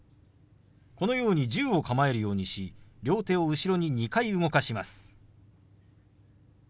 このように銃を構えるようにし両手を後ろに２回動かします。